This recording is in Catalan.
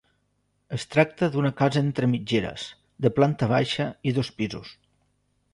Es tracta d'una casa entre mitgeres, de planta baixa i dos pisos.